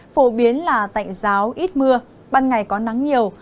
phổ biến là tạnh giáo ít mưa ban ngày có nắng nhiều